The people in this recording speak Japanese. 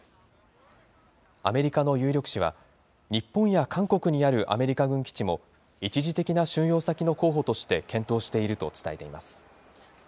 アメリカの有力紙は、日本や韓国にあるアメリカ軍基地も、一時的な収容先の候補として検討していると伝えています。